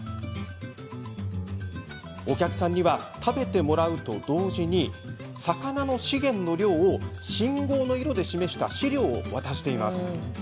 お客さんには食べてもらうと同時に魚の資源の量を信号の色で示した資料を渡しています。